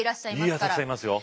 たくさんいますよ。